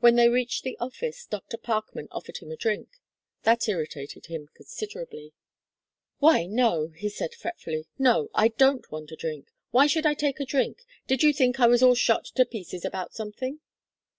When they reached the office, Dr. Parkman offered him a drink; that irritated him considerably. "Why no," he said, fretfully, "No I don't want a drink. Why should I take a drink? Did you think I was all shot to pieces about something?"